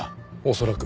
恐らく。